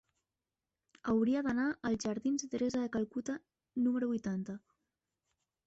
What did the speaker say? Hauria d'anar als jardins de Teresa de Calcuta número vuitanta.